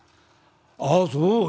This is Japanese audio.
「あっそう？